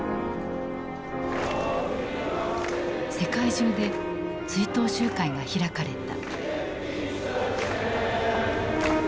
世界中で追悼集会が開かれた。